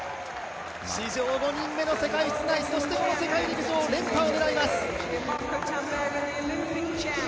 史上５人目の世界室内そしてこの世界陸上連覇を狙います。